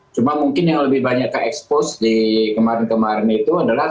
cuma mungkin yang lebih banyak ke expose di kemarin kemarin itu adalah